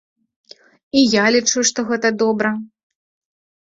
І я лічу, што гэта добра.